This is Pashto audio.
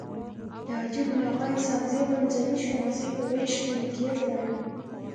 د حاجي ګل اغا اسحق زي منځنی ښوونځی په ويش کي موقعيت لري.